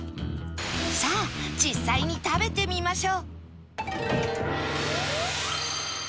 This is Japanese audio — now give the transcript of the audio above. さあ実際に食べてみましょう